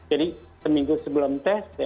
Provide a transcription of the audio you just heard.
jadi seminggu sebelum tes